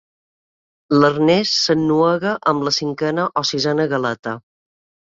L'Ernest s'ennuega amb la cinquena o sisena galeta.